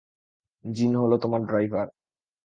জিন হল তোমার ড্রাইভার।